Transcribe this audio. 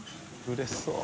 うれしそう。